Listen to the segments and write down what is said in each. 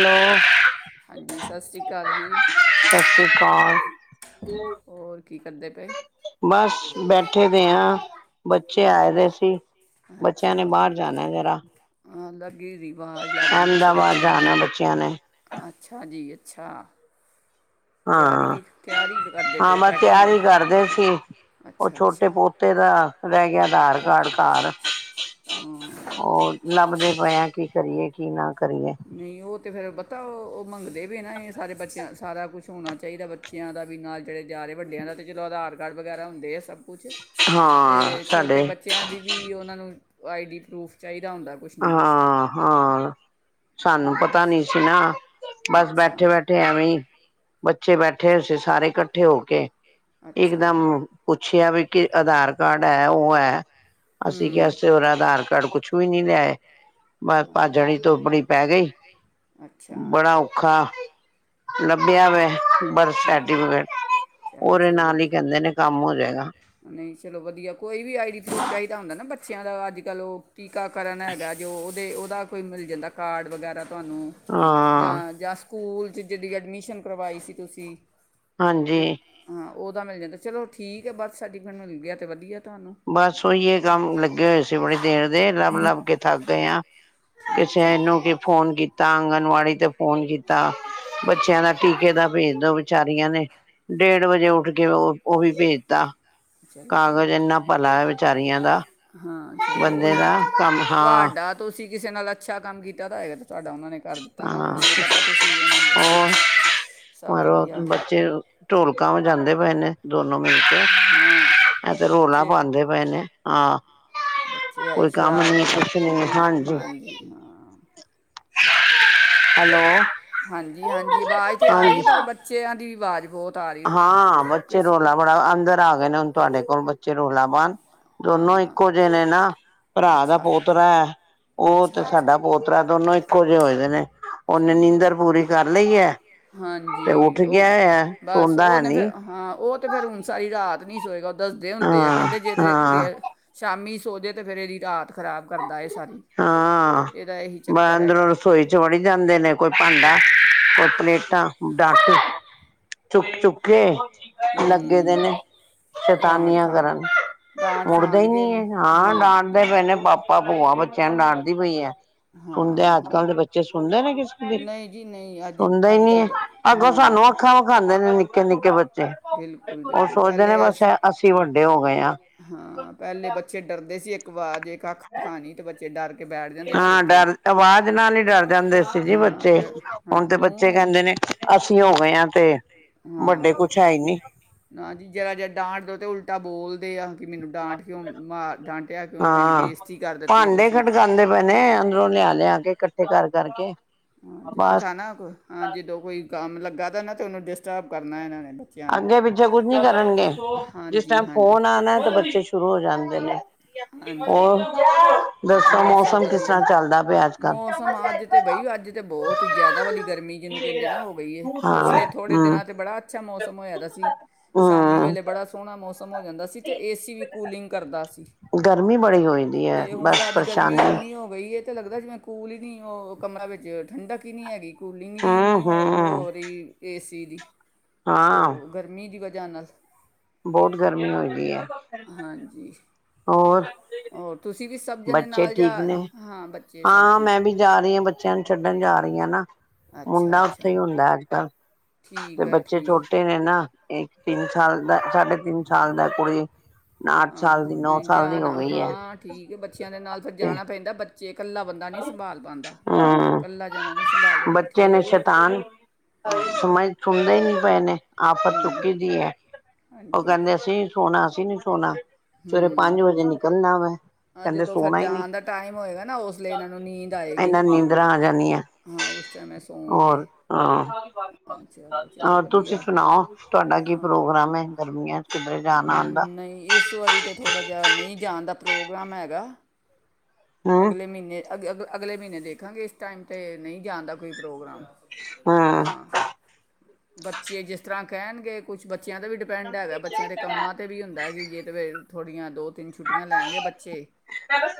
Hello ਹਾਂਜੀ ਸਤਿ ਸ੍ਰੀ ਅਕਾਲ ਜੀ ਸਤਿ ਸ੍ਰੀ ਅਕਾਲ। ਹੋਰ ਕੀ ਕਰਦੇ ਪਏ ਬਸ ਬੈਠੇ ਦੇ ਹਾਂ, ਬੱਚੇ ਆਏ ਦੇ ਸੀ ਬੱਚਿਆਂ ਅੱਛਾ ਨੇ ਬਾਹਰ ਜਾਣਾ ਜਰਾ। [inaudible] ਰਿਵਾਜ਼ ਲੱਗ ਰਹੀ ਪਿੱਛੇ ਅਹਿਮਦਾਬਾਦ ਬੱਚਿਆਂ ਦੀ ਜਾਣਾ ਅੱ ਬੱਚਿਆਂ ਨੇ ਅੱਛਾ ਜੀ ਅੱਛਾ। ਤਿਆਰੀ ਵੀ ਤਿਆਰੀ ਕਰਦੇ ਪਏ ਹਾਂ-ਹਾਂ ਹੋ, ਮੈਂ ਪੈਕਿੰਗ ਤਿਆਰ ਵੀ? ਹੀ ਕਰਦੇ ਸੀ ਉਹ ਅੱਛਾ ਛੋਟੇ ਅੱਛਾ ਪੋਤੇ ਦਾ ਰਹਿ ਗਿਆ ਆਧਾਰ ਕਾਰਡ ਘਰ ਹਾਂ, ਉਹ ਲੱਭਦੇ ਪਏ ਆ ਕਿ ਕਰੀਏ ਕਿ ਨਾ ਕਰੀਏ ਨਹੀਂ ਉਹ ਤੇ ਫੇਰ ਤਾਂ ਉਹ ਮੰਗਦੇ ਵੀ ਨਾ ਇਹ ਸਾਰੇ ਬੱਚਿਆਂ ਸਾਰਾ ਕੁਛ ਹੋਣਾ ਚਾਹੀਦਾ ਬੱਚਿਆਂ ਦਾ ਵੀ ਨਾਲ ਜਿਹੜੇ ਜਾ ਰਹੇ ਵੱਡਿਆਂ ਦਾ ਅਤੇ ਚਦੋਂ ਆਧਾਰ ਕਾਰਡ ਵਗੈਰਾ ਹੁੰਦੇ ਆ ਸਭ ਕੁਛ ਤੇ ਹਾਂ ਛੋਟੇ ਸਾਡੇ ਬੱਚਿਆਂ ਦੀ ਵੀ ਉਹਨਾਂ ਨੂੰ ਉਹ ਆਈ ਡੀ ਪਰੂਫ ਚਾਹੀ ਹਾਂ ਹਾਂ। ਸਾਨੂੰ ਹਾਂਜੀ ਪਤਾ ਨੀ ਸੀ ਨਾ ਬਸ ਅੱਛਾ ਬੈਠੇ ਬੈਠੇ ਐਵੇਂ ਈ ਬੱਚੇ ਬੈਠੇ ਹੋਏ ਸੀ ਸਾਰੇ ਇਕੱਠੇ ਹੋ ਕੇ। ਅੱਛਾ ਇੱਕਦਮ ਪੁੱਛਿਆ ਵੀ ਕਿ ਆਧਾਰ ਕਾਰਡ ਹੈ ਉਹ ਹੈ ਅਸੀਂ ਕਿਆ ਹੂੰ ਅਸੀ ਹੋਰ ਆਧਾਰ ਕਾਰਡ ਕੁਛ ਕੋਈ ਨੀ ਲੇ ਬਸ ਹਾਂ ਭਾਜੜ ਚ ਧੁੱਪੜੀ ਪੈ ਗਈ ਅੱਛਾ ਬੜਾ ਔਖਾ ਲੱਭਿਆ ਵੇ ਚੱਲੋ ਚੱਲੋ ਵਧ ਨਾਲ ਨਹੀ ਹੀ ਕਹਿੰਦੇ ਨੇ ਚਲੋ ਕੰਮ ਹੋ ਜਾਏਗਾ ਵਧੀਆ ਨਹੀਂ ਚਲੋ ਵਧੀਆ ਕੋਈ ਵੀ ਆਈ ਡੀ ਪਰੂਫ ਚਾਹੀਦਾ ਹੁੰਦਾ ਨਾ ਬੱ ਬੱਚਿਆਂ ਦਾ ਅੱਜ ਕੱਲ੍ਹ ਉਹ ਟੀਕਾਕਰਨ ਹੈਗਾ ਜੋ ਉਹਦੇ ਉਹ ਦਾ ਕੋਈ ਮਿਲ ਜਾਂਦਾ ਕਾਰਡ ਵਗੈਰਾ। ਤੁਹਾਨੂੰ ਹਾਂ ਜਾਂ ਜਾਂਸ ਸਕੂਲ ਚ ਜਿਹੜੀ ਐਡਮਿਸ਼ਨ ਕਰਵਾਈ ਸੀ ਤੁਸੀ [unintelligible] ਹਾਂਜੀ [unintelligible] ਉਹਦਾ ਮਿਲ ਜਾਂਦਾ ਚਲੋ ਠੀਕ ਹੈ ਬਥ ਸਰਟੀਫਿਕੇਟ ਮਿਲ ਗਿਆ ਤੇ ਵਧੀਆ। ਤੁਹਾਨੂੰ ਬਸ ਉਹੀਏ ਕੰਮ ਲੱਗੇ ਹੋਏ ਸੀ ਬੜੀ ਦੇਰ ਦੇ ਲੱਭ-ਲੱਭ ਕੇ ਥੱਕ ਗਏ ਆ ਠੀਕ ਚਲੋ ਕਿਸੇਨੂੰ ਕਿ ਫੋਨ ਕੀਤਾ ਆਂਗਣਵਾ [unintelligible] ਫੋਨ ਕੀਤਾ ਬੱਚਿਆਂ ਦਾ ਟੀਕੇ ਦਾ ਭੇਜ ਦੋ ਵਿਚਾਰੀਆਂ ਨੇ ਡੇਢ ਵਜੇ ਉੱਠ ਕੇ ਉਹ, ਉਹ ਵੀ ਭੇਜਤਾ ਚਲੋ ਚਲੋ ਕਾਗਜ਼ ਇੰਨਾ ਵਧੀਆ। ਭਲਾ ਹੈ ਵਿਚਾਰੀਆਂ ਦਾ ਹਾਂ ਚਲੋ ਬੰਦੇ ਉਹੀ ਨਾ ਦਾ ਤੁ- ਕੰਮ ਹਾਂ ਤੁਹਾਡਾ ਤੁਸੀਂ ਕਿਸੇ ਨਾਲ ਅੱਛਾ ਕੰਮ ਕੀਤਾ ਤਾਂ ਹੈਗਾ ਤੁਹਾਡਾ ਉਹਨਾਂ ਨੇ ਕਰ ਦਿੱਤਾ ਨਾ ਹਾਂ ਪਤਾ ਤੁਸੀਂ ਉਹਨਾਂ ਨੂੰ ਹੋਰ ਸਭ ਵਧੀਆ। ਜਾਂਦੇ ਪਏ ਨੇ। ਦੋਨੋ ਮਿਲ ਕੇ ਹਾਂ ਇਹ ਤੇ ਰੋਲਾ ਬੱਚੇ ਪਾਉਦੇ ਪਏ ਨੇ ਹਾਂ। ਬੱਚੇ ਆਈ ਕੋਈ ਕੰਮ ਨੀ ਸ਼ਰਾਰਤੀ ਕੁਛ ਨੀ ਹਾਂ ਹਾਂਜੀ ਹਾਂ। ਹੈਲੋ ਹਾਂਜੀ-ਹਾਂਜੀ ਆਵਾਜ਼ ਤੇ ਆ ਹਾਂਜੀ ਰਹੀ ਪਰ ਬੱਚਿਆਂ ਦੀ ਆਵਾਜ਼ ਬਹੁਤ ਆ ਰਹੀ ਹਾਂ ਬੱਚੇ ਕਿਸ ਰੋਲਾ ਬੜਾ ਅੰਦਰ ਆ ਕਹਿੰਦੇ ਹੁਣ ਤੁਹਾਡੇ ਕੋਲ ਬੱਚੇ ਰੋਲਾ ਪਾਨ ਦੋਨੋ ਹਾਂ ਇੱਕੋ ਜਿਹੇ ਨੇ ਨਾ ਭਰਾ ਦਾ ਅੱਛਾ ਪੋਤਰਾ ਹੈ ਉਹ ਤੇ ਅੱਛਾ ਅੱਛਾ ਸਾਡਾ ਪੋਤਰਾ ਦੋਨੋ ਇੱਕੋ ਜਿਹੇ ਹੋਏ ਦੇ ਨੇ ਉਹਨੇ ਠੀਕ ਹੈ ਨੀਂਦਰ ਪੂਰੀ ਕਰ ਲਈ ਹੈ। ਤੇ ਉੱਠ ਹਾਂਜੀ ਗਿਆ ਉਹ ਆ ਸੌਦਾ ਹੈ ਉਹਨੇ ਫਿਰ ਨੀ ਹਾਂ ਉਹ ਤੇ ਫੇ ਹੁਣ ਸਾਰੀ ਰਾਤ ਨੀ ਸੋਏਗਾ। ਦੱਸਦੇ ਹੁੰਦੇ ਆ ਹਾਂ ਕਹਿੰਦੇ ਹਾਂ ਜੇ ਸ਼ਾਮੀ ਸੋਜੇ ਤੇ ਫਿਰੇ ਦੀ ਰਾਤ ਖਰਾਬ ਕਰਦਾ ਇਹ ਸਾਰੀ ਹਾਂ ਇਹਦਾ ਇਹੀ ਬਾਰੋ ਚੱਕਰ ਹੈਗਾ ਅੰਦਰੋਂ ਰਸੋਈ ਚ ਵੜੀ ਜਾਂਦੇ ਨੇ, ਕੋਈ ਭਾਂਡਾ, ਕੋਈ ਪਲੇਟ ਡੀ ਡਾਕੁ ਚੁੱਕ- ਚੁੱਕ ਕੇ ਲੱਗੇ ਦੇ ਹੂੰ ਨੇ ਡਾਂਟ ਸ਼ੈਤਾਨੀਆਂ ਖਾਂ ਕਰਨ, ਡਾਂਟ ਮੁੜਦੇ ਹੀ ਖਾਣਗੇ ਨੀ ਏ। ਹਾਂ ਹਾਂਜੀ ਡਾਂਟਦੇ ਡਾਂਟ ਪਏ ਨੇ ਪਾਪਾ ਭੂਆ ਬੱਚਿਆਂ ਨੂੰ ਡਾਂਟਦੀ ਪਈ ਐ। ਸੁਣਦੇ, ਹਾਂ ਅੱਜ ਕੱਲ ਹਾਂ ਦੇ ਬੱਚੇ ਸੁਣਦੇ ਨੇ ਕਿਸੇ ਦੀ, ਨਹੀਂ ਜੀ ਨਹੀਂ ਅੱਜ ਸੁਣਦੇ ਹੀ ਅੱਜ ਨੀ ਕੱਲ੍ਹ ਹੈ। ਬ- ਅੱਗੋਂ ਨਾ ਨਾ ਸਾਨੂੰ ਅੱਖਾਂ ਵਿਖਾਉਂਦੇ ਨੇ ਨਿੱਕੇ ਨਿੱਕੇ ਬੱਚੇ, ਬਿਲਕੁਲ ਉਹ ਬਿਲਕੁਲ ਸੋਚਦੇ ਨੇ ਪਹਿਲੇ ਬਸ ਅਸੀਂ ਅ ਅਸੀ ਵੱਡੇ ਹੋ ਗਏ ਹਾਂ। ਵਾਜ ਇਕ ਅੱਖ ਦਿਖਾਣੀ ਤੇ ਬੱਚੇ ਡਰ ਕੇ ਬੈਠ ਜਾਂਦੇ ਸੀ। ਹਾਂ ਉੱਥੇ ਹੀ ਡਰ ਆਵਾਜ਼ ਨਾਲ ਹੀ ਡਰ ਜਾਂਦੇ ਸੀ ਜੀ ਹਾਂ ਬੱਚੇ, ਤੇ ਹਾਂ ਹੁਣ ਤੇ ਬੱਚੇ ਹੂੰ ਕਹਿੰਦੇ ਨੇ ਅਸੀਂ ਹੋ ਗਏ ਹਾਂ। ਤੇ ਹਾਂ, ਵੱਡੇ ਕੁਛ ਹੈ ਹੀ ਨੀ ਨਾ ਜੀ ਜਰਾ ਜ ਡਾਂਟ ਦੋ ਤੇ ਉਲਟ ਟਾ ਬੋਲ ਆ ਕਿ ਮੈਨੂੰ ਡਾਂਟ ਕਿਉਂ ਮਾਰ ਡਾਂਟਿਆ ਕਿਉਂ ਮੇਰੀ ਹਾਂ ਬੇਸਤੀ ਕਰ ਦਿੱਤੀ ਹੈ ਭਾਂਡੇ ਤੁਸੀਂ। ਖੜਕਾਉਂਦੇ ਪਏ ਨੇ ਅੰਦਰੋਂ ਲਿਆ- ਲਿਆ ਕੇ ਇਕੱਠੇ ਕਰਕੇ ਕਰਕੇ ਹਾਂਜੀ। ਬਸ ਪਤਾ ਨਾ ਜਦੋ ਕੋਈ ਕੰਮ ਲੱਗਾ ਦਾ ਨ ਤੇ ਉਹਨੂੰ ਡਿਸਟਰਬ ਕਰਨਾ ਇਹਨਾਂ ਨੇ। ਬੱਚਿਆਂ ਨੇ ਅੱਗੇ- ਪਿੱਛੇ ਕੁੱਝ ਨੀ ਕਰਨਗੇ, ਜਿਸ ਹਾਂਜੀ ਟਾਈਮ ਹਾਂਜੀ ਫੋਨ ਆਉਣਾ ਤੇ, ਬੱਚੇ ਸ਼ੁਰੂ ਹੋ ਜਾਂਣਗੇ। [inaudible] ਹਾਂਜੀ, ਹਾਂ ਦੱਸੋ ਹੋਰ ਸਭ ਮੌਸਮ ਕਿਸ ਵਧੀਆ, ਤਰ੍ਹਾਂ ਚੱਲਦਾ ਪਿਆ ਅੱਜ ਕੱਲ ਮੌਸਮ ਅੱਜ ਤੇ ਬਈ ਅੱਜ ਤੇ ਬਹੁਤ ਹੀ ਜਿਆਦਾ ਵਾਲੀ ਗਰਮੀ ਜਿਹਨੂੰ ਕਹਿੰਦੇ ਨਾ ਹੋ ਗਈ ਏ, ਹਾਂ ਪਿਛਲੇ ਥੋੜੇ ਹਮ ਦਿਨਾਂ ਚ ਬੜਾ ਅੱਛਾ ਮੌਸਮ ਹੋਇਆ ਦਾ ਸੀ, ਸ਼ਾਮੀ ਹਮ ਵੇਲੇ ਬੜਾ ਸੋਹਣਾ ਮੌਸਮ ਮ ਹੋ ਜਾਂਦਾ ਸੀ, ਤੇ ਏਸੀ ਵੀ ਕੂਲਿੰਗ ਕਰਦਾ ਸੀ। ਗਰਮੀ ਬੜੀ ਹੋਈ ਦੀ ਹੈ। ਬਸ ਪਰੇਸ਼ਾਨੀ ਇਹ ਤਾਂ ਲੱਗਦਾ ਜਿਵੇ ਕੂਲ ਹੀ ਨਹੀਂ, ਉਹ ਕਮਰਾ ਵਿੱਚ ਠੰਡਕ ਹੀ ਨਹੀਂ ਹੈਗੀ। ਕੂਲਿੰਗ ਈ ਇਨੀ ਹਮ ਨੀ ਹੋ, ਹਮ ਹੋ ਰਹੀ ਏਸੀ ਦੀਦੀ। ਤੇ ਹਾਂ ਔਰ ਗਰਮੀ ਦੀ ਵ ਧਿਆਨ ਨਾਲ ਬਹੁਤ ਗਰਮੀ ਹੁੰਦੀ ਹੈ, ਹੋਰ ਹੋਰ ਤੁਸੀਂ ਵੀ ਸਭ ਜਣੇ ਬੱਚੇ ਨਾਲ ਜਾ ਠੀਕ ਨੇ, ਹਾਂ ਬੱਚੇ ਸਭ ਹਾਂ ਠੀਕ ਮੈਂ ਵੀ ਜਾ ਰਹੀ ਹਾਂ ਬੱਚਿਆਂ ਨੂੰ ਛੱਡਣ ਜਾ ਰਹੀ ਭਈਆ ਨਾ ਅੱਛਾ ਮੁੰਡਾ ਅੱਛਾ ਉੱਥੇ ਹੀ ਹੁੰਦਾ ਅੱਜ- ਕੱਲ ਤੇ ਠੀਕ ਹੈ ਬੱਚੇ ਠੀਕ ਛੋਟੇ ਨੇ, ਨਾ। ਇੱਕ ਤਿੰਨ ਸਾਲ ਦਾ। ਸਾਢੇ ਤਿੰਨ ਸਾਲ ਦਾ, ਕੁੜੀ ਅੱਠ ਹਾਂ ਸਾਲ, ਦੀ ਨੋਂ ਨਹੀਂ ਸਾਲ ਦੀ, ਹੋ ਜਾਣਾ ਗਈ ਹੈ। ਹਾਂ ਠੀਕ ਹੈ ਬੱਚਿਆਂ ਦੇ ਨਾਲ ਫਿਰ ਤੇ ਜਾਣਾ ਪੈਂਦਾ। ਚੇ ਕੱਲਾ ਬੰਦਾ ਨੀ ਸੰਭਾਲ ਪਾਉਂਦਾ, ਹਮ ਕੱਲਾ ਜਨਾ ਨੀ ਸੰਭਾਲ ਪਾਉਂਦਾ ਬੱਚੇ ਨੇ ਠੀਕ ਹੈ। ਸ਼ੈਤਾਨ ਸਮਝ ਸੁਣਦੇ ਹੀ ਨੀ ਪਏ ਨੇ। ਆਫ਼ਤ ਚੁੱਕੀ ਦੀ ਹੈ। ਉਹ ਹਾਂਜੀ ਕਹਿੰਦੇ ਸੀ ਸੋਣਾ ਸੀ। ਕਿੰਨੇ ਸੋਣਾ? ਸਵੇਰੇ ਪੰਜ ਹੂੰ ਵਜੇ ਨਿਕਲਣਾ ਵੇ। ਜਦੋਂ, ਫਿਰ ਜਾਣ ਦਾ ਟਾਈਮ ਹੋਏਗਾ ਨਾ ਓਦ ਇਨਾ ਨੂੰ ਨੀਂਦਰਾਂ ਆ ਜਾਂਦੀ ਆ। ਹਾਂ ਉਸ ਟਾਈਮ ਇਹ ਸੌਣਗੇ ਹੋਰ ਹ ਹਾਂ ਚਲੋ ਚਲੋ ਹੋਰ ਤੁਸੀਂ ਵਧੀਆ ਸੁਣਾਓ? ਤੁਹਾਡਾ ਕੀ ਹਾਂ ਪ੍ਰੋਗਰਾਮ ਹੇ ਗਰਮੀਆਂ ਚ ਕਿਧਰੇ ਜਾਣ -ਆਣ ਦਾ। ਨਹੀਂ ਇਸ ਵਾਰੀ ਤਾਂ ਥੋੜ੍ਹਾ ਜਿਹਾ ਨਹੀਂ ਜਾਣ ਦਾ ਪ੍ਰੋਗਰਾਮ ਹੈਗਾ। ਹਮ ਅਗਲੇ ਮਹੀਨੇ ਅਗ-ਅਗ ਅਗਲੇ ਮਹੀਨੇ ਦੇਖਾਂਗੇ ਇਸ ਟਾਈਮ ਤੇ ਨੀ ਜਾਂਨ ਦਾ ਕੋਈ ਪ੍ਰੋਗਰਾਮ। ਹਮ ਹਾਂ। ਬੱਚੇ ਜਿਸ ਤਰ੍ਹਾਂ ਕਹਿਨਗੇ ਕੁਛ ਬੱਚ ਬੱਚਿਆਂ ਤੇ ਵੀ ਡਿਪੈਂਡ ਹੈਗਾ ਬੱਚਿਆਂ ਦੇ ਕੰਮਾਂ ਤੇ ਵੀ ਹੁੰਦਾ ਏ ਕਿ ਕਿਧਰੇ ਥੋੜੀਆਂ ਦੋ, ਤਿੰਨ ਲੈਨਗੇ ਬੱਚੇ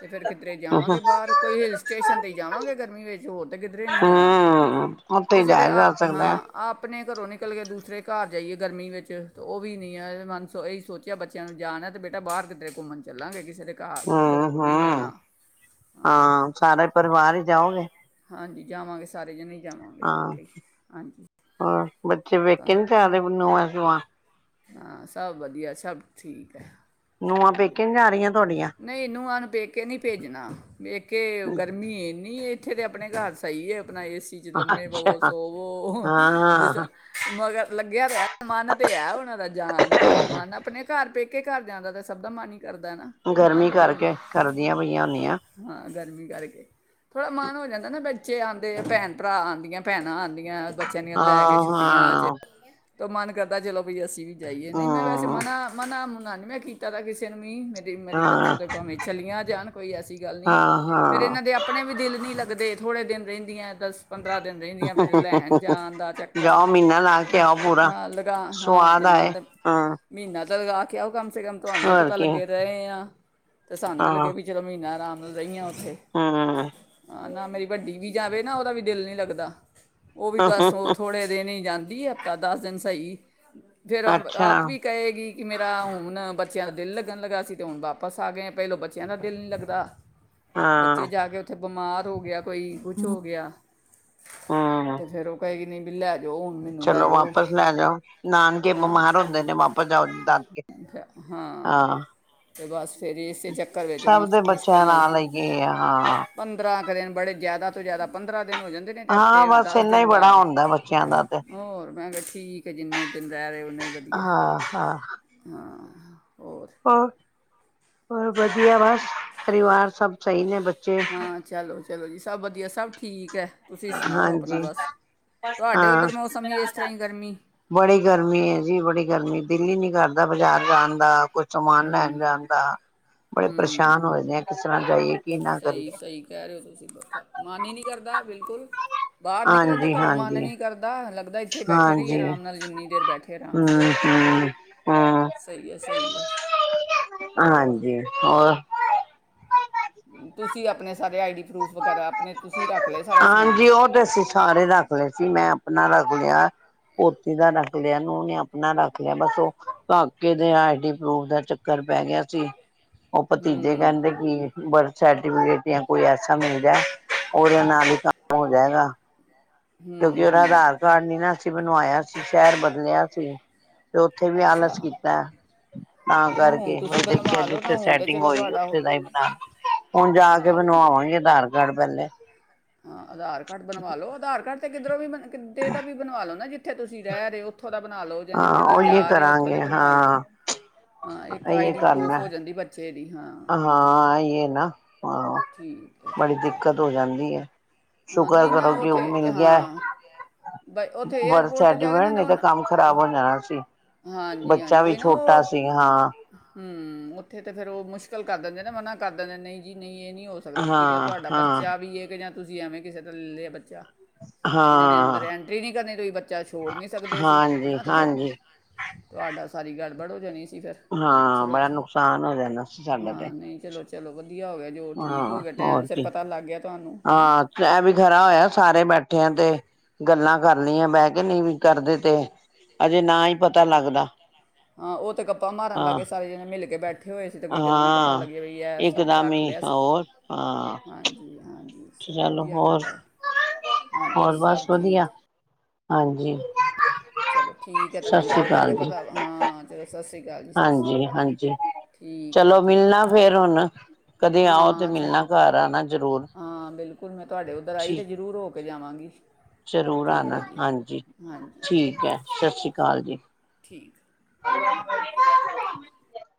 ਤੇ ਫੇਰ ਕਿੱਧਰੇ ਜਾਵਾਂਗੇ ਬਾਹਰ ਕੋਈ ਹਿਲ ਸਟੇਸ਼ਨ ਤੇ ਈ ਜਾਵਾਂਗੇ ਗਰਮੀ ਵਿੱਚ ਹੋਰ ਤੇ ਕਿੱਧਰੇ ਨੀ ਜਾਨਾ। ਹਮ ਉੱਥੇ ਹੀ ਕਿਸੇ ਦੇ ਜਾਇਆ ਆ ਜਾ ਹਾਂ ਸਕਦਾ ਆਪਨੇ ਘਰੋਂ ਨਿਕ ਕਲ ਕੇ ਦੂਸਰੇ ਘਰ ਜਾਈਏ ਗਰਮੀ ਵਿੱਚ ਉਹ ਵੀ ਨੀ ਏ। ਮਨ ਸੋਂ ਇਹਹੀ ਸੋਚਿਆ ਬੱਚਿਆਂ ਨੂੰ ਜਾਨਾਏ ਤਾਂ ਬੇਟਾ ਬਾਹਰ ਕਿੱਰੇ ਘੁੰਮਨ ਜਾ। ਚੱਲਾਂਗੇ ਕਿਸੇ ਦੇ ਹਾਂ, ਹਾਂ, ਹਾਂ ਸਾਰਾ ਪਰਿਵਾਰ ਈ ਜਾਓਗੇ। ਹਾਂਜੀ ਜਾਵਾਂਗੇ ਸਾਰੇ ਜਨੇ ਹੀ। ਜਾਵਾਂਗੇ ਹਾਂ ਇਕੱਠੇ ਹੀ ਹਾਂਜੀ ਹੋਰ ਬੱਚੇ ਤਾਂ ਵੇਖੇ ਨੀ ਜਾਹੇ ਨੂੰਹਾਂ ਸੂੰਹਾਂ। ਹਾਂ ਸਭ ਵਧੀਆ, ਸਭ ਠੀਕ ਐ। ਸਭ ਨੂੰਹਾਂ ਵਧੀਆ, ਪੇਕੇ ਨੀ ਜਾ ਰਹੀਆਂ ਤੁਹਾਡੀਆਂ ਨਈ ਨੂੰਹਾਂ ਨੂੰ ਪੇਕੇ ਨੀ ਭੇਜਨਾ। ਪੇਕੇ ਗਰਮੀ ਏਨੀ ਨੀ ਏ ਇੱਥੇ ਤੇ ਆਪਨੇ ਕਾਰ ਸਹੀ ਏ। ਆਪਨਾ ਏ ਸੀ ਚ ਲੰਮੇ ਪਵੋ, ਅੱਛਾ ਸੋਵੋ ਜਿਸ ਹਾਂ ਮਗਰ ਲੱਗਿਆ ਤੇ ਹੈ, ਮਨ ਤੇ ਹੈ, ਉਹਨਾਂ ਦਾ ਜਾਨ ਦਾ ਮਨ ਆਪਨੇ ਘਰ ਪੇਕੇ ਘਰ ਜਾਂਨ ਦਾ ਤੇ ਸਭ ਦਾ ਮਨ ਈ ਕਰਦਾ ਨਾ ਕੋਈ ਮਨਾ ਗਰਮੀ ਥੋੜ੍ਹੀ ਹੁੰਦਾ, ਕਰਕੇ ਕਰਦੀਆਂ ਪਈਆਂ ਹੁੰਦੀਆਂ ਹਾਂ ਗਰਮੀ ਕਰਕੇ। ਮਨ ਹੋ ਜਾਂਦਾ ਨਾ ਬੱਚੇ ਆਂਦੇ ਆ, ਭੈਣ ਭਰਾ ਆਂਦੀਆਂ, ਭੈਣਾਂ ਆਂਦੀਆਂ। ਯਾ ਬੱਚਿਆਂ ਦੀਆਂ ਲੈ ਕੇ ਹਾਂ ਛੁੱਟੀਆਂ ਚ ਹਾਂ ਤ ਮਨ ਕਰਦਾ ਚਲੋ ਬਈ ਅਸੀਂ ਵੀ ਜਾਈਏ ਨਈ ਮੈਂ ਵੈਸੇ ਹਮ ਮਨਾ, ਮਨਾ [unintelligible] ਮੈਂ ਕੀਤਾ ਦਾ ਕਿਸੇ ਨੂੰ ਵੀ ਮੇ ਮੇਰੀ ਹਾਂ ਤਰਫੋਂ ਤੇ ਭਾਵੇਂ ਚਲੀਆਂ ਜਾਨ ਕੋਈ ਐਸੀ ਗੱਲ ਨੀ ਏ। ਹਾਂ ਫੇਰ ਹਾਂ ਇਹਨਾਂ ਦੇ ਆਪਨੇ ਵੀ ਨਈ ਲੱਗਦੇ ਥੋੜ੍ਹੇ ਦਿਨ ਰੇਂਦੀਆਂ ਦੱਸ ਪੰਦਰਾਂ ਦਿਨ ਰੇਂਦੀਆਂ ਫੇਰ ਲੈਨ ਜਾਨ ਦਾ ਚਕਰ, ਜਾਓ ਮਹੀਨਾ ਲਾ ਕੇ ਆਓ ਪੂਰਾ ਆਂ ਲਗਾ ਹ ਸਵਾਦ ਜਾ ਆਏ ਤੇ ਹਾਂ ਮਹੀਨਾ ਲਗਾ ਕੇ ਆਓ ਉਹ ਕੰਮ ਕਮ ਸੇ ਕਮ ਤੁਹਾਨੂੰ ਵੀ ਹੋਰ ਪਤਾ ਕੀ ਲੱਗੇ ਰਏ ਆਂ। ਤੇ ਸਾਨੂੰ ਵੀ ਹਾਂ ਲੱਗੇ ਵੀ ਚਲੋ ਮਹੀਨਾ ਆਰਾਮ ਰਹੀਆਂ ਉੱਥੇ ਅ ਨਾ ਮੇਰੀ ਵੱਡੀ ਵੀ ਜਾਵੇ ਨਾ ਉਹਦਾ ਵੀ ਦਿਲ ਨੀ ਲੱਗਦਾ। ਉਹ ਵੀ ਬਸ ਉਹ ਥੋੜੇ ਦਿਨ ਈ ਜਾਂਦੀ ਐ ਹਫ਼ਤਾ ਦਸ ਦਿਨ ਈ ਸਈ। ਫਿਰ ਅ ਅੱਛਾ ਆਪ ਵੀ ਕਹੇਗੀ ਕਿ ਮੇਰਾ ਹੁਣ ਬੱਚਿਆਂ ਦਾ ਦਿਲ ਲੱਗਣ ਲੱਗਾ ਸੀ ਤੇ ਹੁਣ ਵਾਪਸ ਆ ਗਏ ਪਹਿਲੋਂ ਬੱਚਿਆਂ ਦਾ ਦਿਲ ਨੀ ਲੱਗਦਾ ਬੱਚੇ ਹਾਂ ਜਾ ਕੇੇ ਬਿਮਾਰ ਹੋ ਗਿਆ ਕੋਈ, ਕੁਛ ਹੋ ਗਿਆ ਹਮ ਤੇ ਫੇਰ ਉਹ ਕਹੇ ਗੀ ਨਹੀਂ ਬਈ ਲੈ ਜਾਓ ਹੁਣ ਮੈਨੂੰ ਲੈ ਚਲੋ ਜਾਓ ਵਾਪਸ ਲੈ ਜਾਓ ਨਾਨਕੇ ਹਾਂ ਬਿਮਾਰ ਹੁੰਦੇ ਨੇ ਵਾਪਸ ਜਾਓ ਦਾਦਕੇ ਹਾਂ ਤੇ ਬਸ ਫਿਰ ਇਸੇ ਚੱਕਰ ਵਿੱਚ ਸਭ ਦੇ ਬੱਚਿਆਂ ਨਾਲੇ ਆ ਹਾਂ ਪੰਦਰਾਂ ਨੂ ਨੇ ਬੜੇ ਜ਼ਿਆਦਾ ਤੋਂ ਜ਼ਿਆਦਾ ਪੰਦਰਾਂ ਦਿਨ ਹੋ ਜਾਂਦੇ ਨੇ ਤੇ ਹਾਂ ਹਫ਼ਤੇ ਬਸ ਦਸ ਇੰਨਾ ਦਿਨ ਬੜਾ ਬਾਅਦ ਹੀ ਹੁੰਦਾ ਬੱਚਿਆਂ ਦਾ ਤੇ ਹੋਰ ਮੈਂ ਕਿਹਾ ਠੀਕ ਹੈ ਜਿੰਨੇ ਦਿਨ ਰਹਿ ਰਹੇ ਉਓਨੇ ਹੀ ਵਧੀਆ ਹਾਂ ਹਾਂ ਹੋਰ ਹੋ ਹੋਰ ਵਧੀਆ ਵਧੀਆ ਬਸ ਪਰਿਵਾਰ ਸਭ ਸਹੀ ਨੇ ਬ ਹਾਂ ਚਲੋ -ਚਲੋ ਜੀ ਸਭ ਵਧੀਆ ਸਭ ਠੀਕ ਹੈ ਤੁਸੀਂ ਸੁਣਾਓ ਆਪਣਾ ਹਾਂਜੀ, ਬਸ ਤੁਹਾਡੇ ਹਾਂ, ਉਧਰ ਮੌਸਮ ਹੀ ਇਸ ਤਰ੍ਹਾਂ ਹੀ ਗਰਮੀ ਬੜੀ ਗਰਮੀ ਹੈ ਜੀ, ਬੜੀ ਗਰਮੀ ਦਿਲ ਈ ਨੀ ਕਰਦਾ ਤਾ ਬਾਜ਼ਾਰ ਜਾਉਣ ਦਾ ਕੁਛ ਸਮਾਨ ਲੈਣ ਜਾਂਣਦਾ ਬੜੇ ਪਰੇਸ਼ਾਨ ਹੋ ਜਾਨੇ ਕਿਸ ਤਰ੍ਹਾਂ ਜਾਈਏ ਕੀ ਨਾ ਕਰੀਏ ਸਹੀ-ਸਹੀ ਕਹਿ ਰਹੇ ਹੋ ਤੁਸੀਂ ਕਾਕਾ ਮਨ ਹੀ ਨਹੀਂ ਕਰਦਾ ਬਿਲਕੁਲ ਬਾਹਰ ਨਿਕਲਣ ਦਾ ਹਾਂਜੀ ਘਰੋਂ ਮਨ ਹਾਂਜੀ ਨੀ ਕਰਦਾ ਲ ਪਤਾ ਇੱਥੇ ਬੈਠੇ ਰਹੀਏ ਹਾਂਜੀ ਆਰਾਮ ਨਾਲ ਜਿੰਨੀ ਦੇਰ ਬੈਠੇ ਆਰਾਮ ਨਾਲ ਹਮ ਹਾਂ ਹਮ ਹਮ ਸਹੀ ਹੈ-ਸਹੀ ਹੈ ਹੋਰ ਹਾਂਜੀ ਹੋਰ ਤੁਸੀਂ ਆਪਣੇ ਸਾਰੇ ਆਈ ਡੀ ਪ੍ਰੂਫ ਵਗੈਰਾ ਆਪਣੇ ਤੁਸੀਂ ਰੱਖ ਲਏ ਸਾਰਾ ਸਮਾਨ ਹਾਂਜੀ ਉਹ ਤੇ ਅਸੀਂ ਸਾਰੇ ਰੱਖ ਲਏ ਸੀ ਮੈਂ [unintelligible] ਪੋਤੀ ਦਾ ਨਾ ਰ ਲਿਆ, ਨੂੰ ਨੇ ਆਪਣਾ ਰੱਖ ਲਿਆ ਬਸ ਉਹ ਕਾਕੇ ਦੇ ਆਈ ਡੀ ਪ੍ਰੂਫ ਦਾ ਚੱਕਰ ਪੈ ਗਿਆ ਸੀ ਉਹ ਭਤੀਜੇ ਹੂੰ ਕਹਿੰਦੇ ਕਿ ਬਰ ਸਰਟੀਫਕੇਟ ਜਾਂ ਕੋਈ ਐਸਾ ਮਿਲਦਾ ਨਾਲ ਹੀ ਕੰਮ ਹੋ ਜਾਏਗਾ ਕਿਉਂਕਿ ਹੂੰ ਉਹਦਾ ਹੂੰ ਆਧਾਰ ਕਾਰਡ ਨੀ ਨਾ ਬਣਵਾਇਆ ਸੀ ਸ਼ਹਿਰ ਬਦਲਿਆ ਸੀ ਤੇ ਉੱਥੇ ਵੀ ਆਲਸ ਅੱਛਾ ਕੀਤਾ ਤਾਂ ਨਹੀਂ ਹੁਣ ਕਰਕੇ ਤੁਸੀਂ ਵੀ ਦੇਖਿਆ ਬਣਵਾ ਲਓ ਨਾ ਜਿੱਥੇ ਹੁਣ ਤੇ ਸੈਟਿੰਗ ਚਲੋ ਹੋਈ ਤੁਹਾਡਾ ਉਹ- ਉੱਥੇ ਦਾ ਹੀ ਬਣਾ ਹੁਣ ਜਾ ਹਾਂ ਕੇ ਹੁਣ ਤੇ ਬਣਵਾਵਾਂਗੇ ਆਧਾਰ ਕਾਰਡ ਪਹਿਲੇ ਹਾਂ ਆਧਾਰ ਕਾਰਡ ਬਣਵਾ ਲੋ ਆਧਾਰ ਕਾਰਡ ਤੇ ਕਿੱਦਰੋਂ ਵੀ ਬਨੇ ਕਿੱਧੇ ਦਾ ਵੀ ਬਣਵਾ ਲਓ ਨਾ ਜਿੱਥੇ ਤੁਸੀਂ ਰਹਿ ਰਹੇ ਉੱਥੋਂ ਦਾ ਬਣਾ ਲਓ ਜਾਂ ਹਾਂ ਜਿੱਥੇ ਤੁਸੀਂ ਉਹੀ ਜਾ ਰਹੇ ਉੱਥੋਂ ਦਾ ਕਰਾਂਗੇ ਬਣਵਾ ਲਓ, ਹਾਂ ਹਾਂ ਇੱਕ ਆਈ ਇਹ ਡੀ ਪਰੂਫ ਕਰਨਾ ਹੋ ਜਾਂਦੀ ਬੱਚ ਤੇਰੀ ਹਾਂ ਹਾਂ ਇਹ ਨਾ ਆਹੋ ਠੀਕ ਹੈ ਬੜੀ ਠੀਕ ਹੈ ਦਿੱਕਤ ਹੋ ਜਾਂਦੀ ਹੈ ਹਾਂ ਸ਼ੁਕਰ ਨਹੀਂ ਨਾ ਕਰੋ ਕਿ ਉਹ ਉਥੇ ਮਿਲ ਗਿਆ ਹਾਂ ਬਈ ਉਥੇ ਵਰਕ ਤੇ ਜਾ ਕੇ ਐਗਰੀਮੈਂਟ ਨਾ ਤਾਂ ਨਹੀਂ ਉਹ- ਤੇ ਨਾ- ਕੰਮ ਖ਼ਰਾਬ ਹੋ ਜਾਣਾ ਸੀ ਹਾਂਜੀ ਬੱਚਾ ਵੀ ਛੋਟਾ ਸੀ ਹਾਂ ਹਮ ਉੱਥੇ ਤੇ ਫੇਿਰ ਉਹ ਮੁਸ਼ਕਿਲ ਕਰ ਦਿੰਦੇ ਨਾ ਮਨਾ ਕਰ ਦਿੰਦੇ ਨਹੀਂ ਜੀ ਨਹੀਂ ਇਹ ਨਹੀਂ ਹੋ ਸਕਦਾ ਕੀਤਾ ਹਾਂ ਤੁਹਾਡਾ ਹਾਂ ਬੱਚਾ ਵੀ ਹੈ ਜਾਂ ਕੀ ਹਮੇ ਕਿਸੇ ਤਰ੍ਹਾਂ ਲੇ ਬੱਚਾ ਉਹਨਾਂ ਨੇ ਅੰਦਰ ਹਾਂ ਐਂਟਰੀ ਨਹੀਂ ਕਰਨੀ ਤੁਸੀਂ ਬੱਚਾ ਛੋੜ ਨੀ ਸਕਦੇ ਸੀ ਹਾਂਜੀ ਹਨਾ ਤੇ ਫਿਰ ਹਾਂਜੀ ਤੁਹਾਡਾ ਸਾਰੀ ਗੱਲ ਬੜ੍ਹੋ ਜਾਣੀਸੀ ਹਾਂ ਬੜਾ ਨੁਕਸਾਨ ਹੋ ਜਾਂਦਾ ਸੀ ਸਾਡਾ ਤੇ ਹਾਂ ਨਹੀਂ ਚਲੋ ਚਲੋ ਵਧ ਵਧੀਆ ਹੋ ਗਿਆ ਜੋ ਠੀਕ ਹੋ ਹਾਂ ਗਿਆ ਟਾਈਮ ਹੋਰ ਸਿਰ ਕੀ ਪਤਾ ਲੱਗ ਗਿਆ ਤੁੂਹਾਣੁ ਨੋ ਹੈਨਾ ਹਾਂ ਇਹ ਵੀ ਖਰਾ ਹੋਇਆ ਸਾਰੇ ਬੈਠੇ ਆ ਤੇ ਗੱਲਾਂ ਕਰਲਈਆਂ ਬਹਿ ਕੇ ਨਹੀਂ ਵੀ ਕਰਦੇ ਤੇ ਅਜੇ ਨਾ ਹੀ ਪਤਾ ਲੱਗਦਾ ਹਾਂ ਉਹ ਤਾਂ ਗੱਪਾਂ ਮਾਰਨ ਲੱਗ ਹਾਂ ਗਏ ਸਾਰੇ ਜਣੇ ਮਿਲ ਕੇ ਬੈਠੇ ਹੋਏ ਸੀ ਤਾਂ ਕੋਈ ਗੱਲ ਨਾ ਪਤਾ ਹਾਂ ਲੱਗੇ ਬ ਇਹ ਸਭ ਤਾਂ ਇਕਦਮ ਰੱਖ ਹੀ ਲਿਆ ਹੋਰ ਹਾਂ ਹਾਂਜੀ-ਹਾਂਜੀ ਚਲੋ ਵਧੀਆ ਕੀਤਾ ਹਾਂਜੀ ਹੋਰ ਸਭ ਬਸ ਠੀਕ ਵਧੀਆ ਹਾਂਜੀ ਚਲੋ ਠੀਕ ਹੈ ਤੁਹਾਡੇ ਗੱਲ ਕਰਕੇ ਪਤਾ ਹਾਂ ਚ ਹਾਂਜੀ-ਹਾਂਜੀ ਠੀਕ ਹੈ ਚਲੋ ਠੀਕ ਮਿਲਣਾ ਫੇਿਰ ਹੁਣ ਕਦੇ ਆਓ ਤੇ ਹਾਂ ਅੱਛਾ ਮਿਲਣਾ ਘਰ ਆਣਾ ਜ਼ਰੂਰ [unintelligible] ਤੁਹਾਡੇ ਉੱਧਰ ਆਈ ਤੇ ਠੀਕ ਜ਼ਰੂਰ ਹੋ ਕ ਜਾਵਾਂਗੀ ਜ਼ਰੂਰ ਠੀਕ ਆਣਾ ਹੈ ਜੀ ਹਾਂਜੀ ਹਾਂਜੀ ਠੀਕ ਹੈ ਸਤਿ ਸ਼੍ਰੀ ਅਕਾਲ ਜੀ ਠੀਕ [unintelligible]